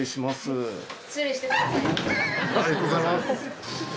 ありがとうございます。